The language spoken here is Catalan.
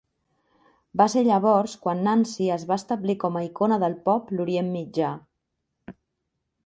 Va ser llavors quan Nancy es va establir com a icona del pop l'Orient Mitjà.